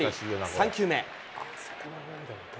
３球目。